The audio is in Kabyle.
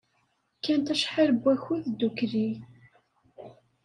Kkant acḥal n wakud ddukkli.